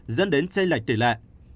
dẫn đến chây lệch tỷ lệ